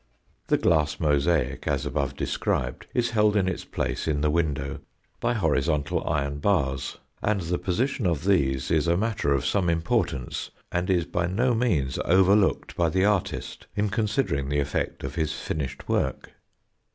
The glass mosaic as above described is held in its place in the window by horizontal iron bars, and the position of these is a matter of some importance, and is by no means overlooked by the artist in considering the effect of his finished work.